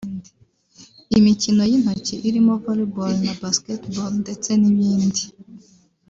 imikino y’intoki irimo Volley ball na Basketball ndetse n’iyindi